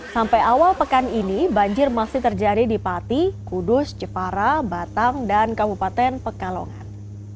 sampai awal pekan ini banjir masih terjadi di pati kudus jepara batang dan kabupaten pekalongan